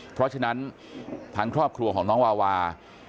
เพราะฉะนั้นทางครอบครัวของน้องวาวา